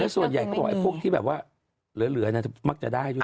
แล้วส่วนใหญ่เขาบอกไอ้พวกที่เหลือมักจะได้